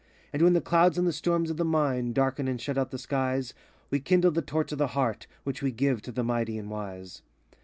And when the clouds and the storms of the Mind Darken and shut out the skies, We kindle the torch of the Heart, Which we give to the mighty and wise.